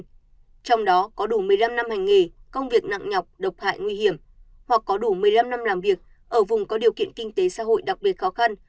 trong đó có đủ một mươi năm năm hành nghề công việc nặng nhọc độc hại nguy hiểm hoặc có đủ một mươi năm năm làm việc ở vùng có điều kiện kinh tế xã hội đặc biệt khó khăn